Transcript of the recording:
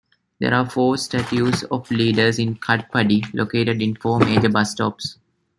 There are four statues of leaders in Katpadi, located in four major bus stops.